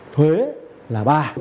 thuế là ba